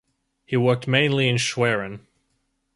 He worked mainly in Schwerin.